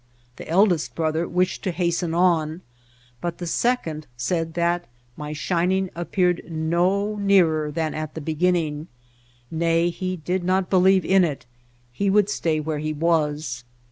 The eldest brother wished to hasten on, but the second said that my shining appeared no nearer than at the beginning. Nay, he did not believe in it, he would stay where he was.